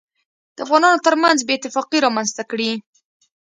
دافغانانوترمنځ بې اتفاقي رامنځته کړي